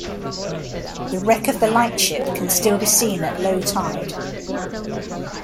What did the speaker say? The wreck of the lightship can still be seen at low tide.